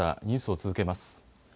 ニュースを続けます。